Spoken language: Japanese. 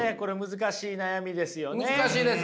難しいです。